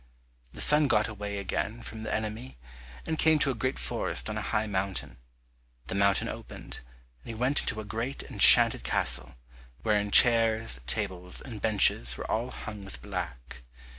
The son got away again from the enemy, and came to a great forest on a high mountain. The mountain opened, and he went into a great enchanted castle, wherein chairs, tables, and benches were all hung with black.